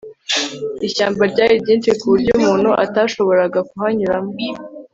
ishyamba ryari ryinshi kuburyo umuntu atashoboraga kuhanyuramo